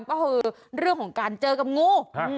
ก็คือเรื่องของการเจอกับงู